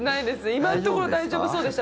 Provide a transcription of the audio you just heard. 今のところ大丈夫そうでした。